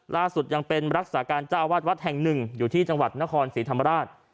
ล่าสุดยังเป็นรักษาการเจ้าวาดวัดแห่งหนึ่งอยู่ที่จังหวัดนครศรีธรรมราช